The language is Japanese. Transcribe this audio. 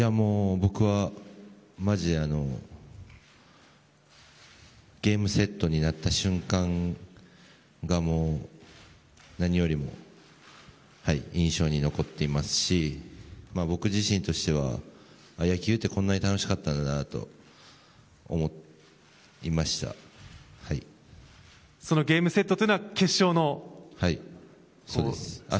僕はマジでゲームセットになった瞬間が何よりも印象に残っていますし僕自身としては野球ってこんなにそのゲームセットというのははい、そうです。